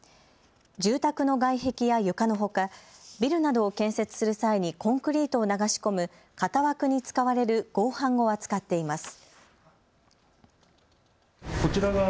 住宅の外壁や床のほか、ビルなどを建設する際にコンクリートを流し込む型枠に使われる合板を扱っています。